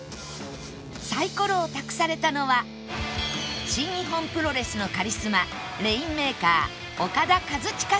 サイコロを託されたのは新日本プロレスのカリスマレインメーカーオカダ・カズチカさん